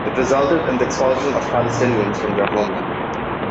It resulted in the expulsion of Palestinians from their homeland.